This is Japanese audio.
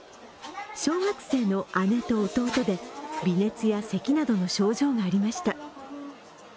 小学生の姉と弟で、微熱やせきなどの症状がありました。